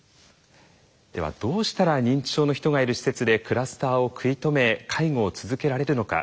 ではどうしたら認知症の人がいる施設でクラスターを食い止め介護を続けられるのか。